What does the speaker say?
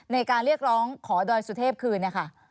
ในการเรียกร้องขอดอนสุเทพคืน